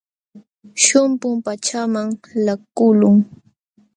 Shumpum pachaaman laqakulqun.